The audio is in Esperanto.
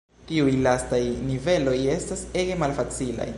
Tiuj lastaj niveloj estas ege malfacilaj.